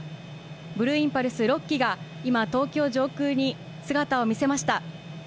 ブルーインパルス６機が今、東京上空に姿を見せました。